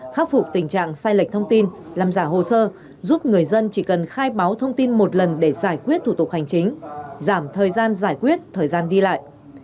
khắc phục tình trạng sai lệch thông tin làm giả hồ sơ giúp người dân chỉ cần khai báo thông tin một lần để giải quyết thủ tục hành chính giảm thời gian giải quyết thời gian đi lại